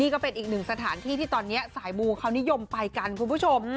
ก็เป็นอีกหนึ่งสถานที่ที่ตอนนี้สายมูเขานิยมไปกันคุณผู้ชม